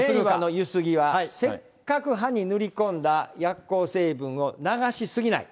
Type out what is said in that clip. ゆすぎは、せっかく歯に塗り込んだ薬効成分を流し過ぎない。